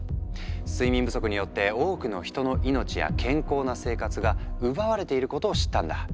睡眠不足によって多くの人の命や健康な生活が奪われていることを知ったんだ。